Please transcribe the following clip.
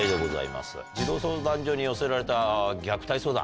児童相談所に寄せられた虐待相談。